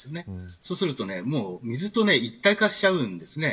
そうすると水と一体化しちゃうんです。